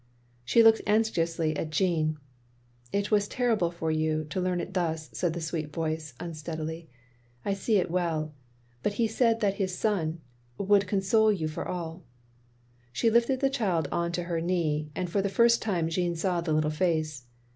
She looked anxiously at Jeanne. " It is terrible for you — ^to learn it thus, " said the sweet voice, unsteadily. " I see it well. But he said that his son — ^would console you for all. " She lifted the child on to her knee, and for the first time Jeanne saw the little face.